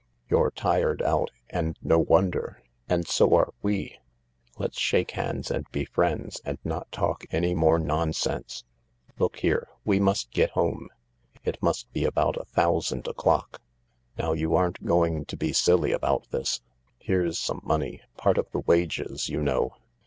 You're tired out, and no wonder— and so are we. Let's shake hands and be friends and not talk any more nonsense. Look here — we must get home. It must be about a thousand o'clock. Now you aren't going to be silly about this j here's some money— part of the wages, you know."